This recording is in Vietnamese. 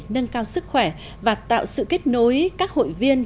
nâng cao sức khỏe và tạo sự kết nối các hội viên